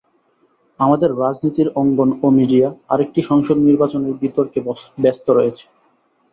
আমাদের রাজনীতির অঙ্গন ও মিডিয়া আরেকটি সংসদ নির্বাচনের বিতর্কে বর্তমানে ব্যস্ত রয়েছে।